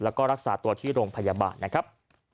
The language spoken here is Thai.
แล้วก็รักษาตัวที่โรงพยาบาลนะครับ